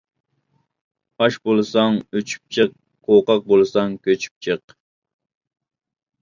ئاش بولساڭ ئۆچۈپ چىق، قوقاق بولساڭ كۆچۈپ چىق.